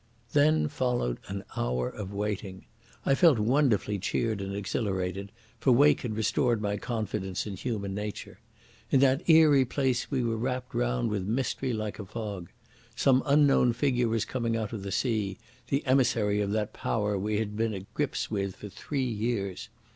Then followed an hour of waiting. I felt wonderfully cheered and exhilarated, for Wake had restored my confidence in human nature. In that eerie place we were wrapped round with mystery like a fog. Some unknown figure was coming out of the sea, the emissary of that Power we had been at grips with for three years.